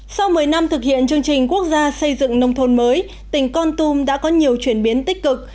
sau một mươi năm thực hiện chương trình quốc gia xây dựng nông thôn mới tỉnh con tum đã có nhiều chuyển biến tích cực